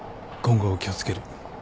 今後気を付ける。